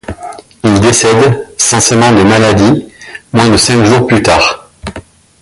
Il décède, censément de maladie, moins de cinq jours plus tard.